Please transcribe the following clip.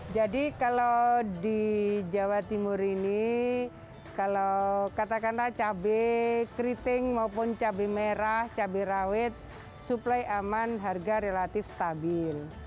jadi kalau di jawa timur ini kalau kata kata cabai keriting maupun cabai merah cabai rawit suplai aman harga relatif stabil